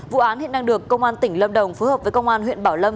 vụ án hiện đang được công an tỉnh lâm đồng phối hợp với công an huyện bảo lâm